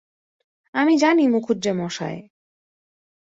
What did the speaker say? আমি জানি মুখুজ্যেমশায়।